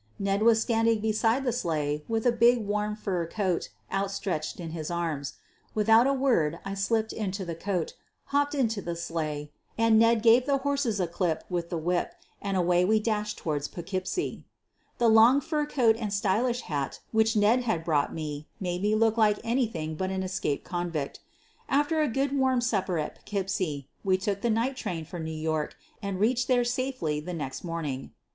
Ned was standing beside the sleigh with a big warm fur coat outstretched in his arms. Without a word I slipped into the coat, hopped into the sleigh, and Ned gave the horses a clip with the whip and away we dashed toward Poughkeepsie. The long fur coat and stylish hat which Ned had brought made me look like anything but an escaped convict After a good warm supper at Poughkeep sie, we took the night train for New York and [reached there safely the next morning.